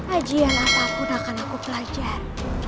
ajian apapun akan aku pelajar